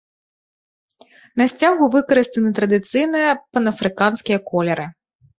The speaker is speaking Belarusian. На сцягу выкарыстаны традыцыйныя панафрыканскія колеры.